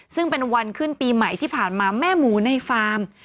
ซึ่งเป็นวันขึ้นปีใหม่ที่ผ่านมาแม่หมูในฟาร์ม